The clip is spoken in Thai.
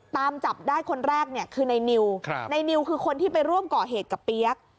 ตามจับได้คนแรกเนี่ยคือในนิวในนิวคือคนที่ไปร่วมก่อเหตุกับเปี๊ยก